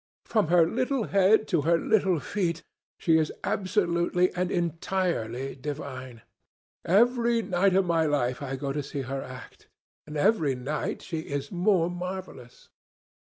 From her little head to her little feet, she is absolutely and entirely divine. Every night of my life I go to see her act, and every night she is more marvellous."